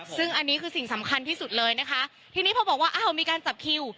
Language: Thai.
ซึ่งอันนี้คือสิ่งสำคัญที่สุดเลยนะคะทีนี้พอบอกว่าอ้าวมีการจับคิว